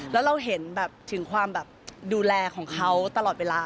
แล้วเราเห็นแบบถึงความแบบดูแลของเขาตลอดเวลา